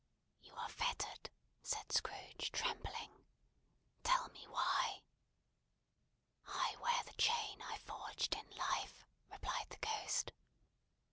"You are fettered," said Scrooge, trembling. "Tell me why?" "I wear the chain I forged in life," replied the Ghost.